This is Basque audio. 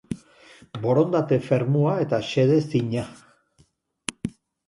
Borondate fermua eta xede zina.